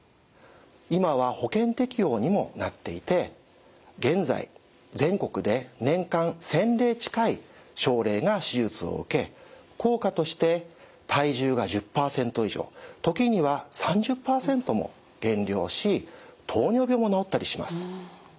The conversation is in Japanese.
今は保険適用にもなっていて現在全国で年間１，０００例近い症例が手術を受け効果として体重が１０％以上時には３０％も減量し糖尿病も治ったりします。